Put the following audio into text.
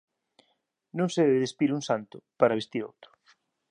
Non se debe despir un santo para vestir outro.